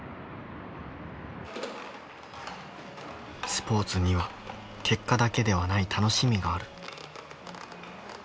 スポーツには結果だけではない楽しみがある。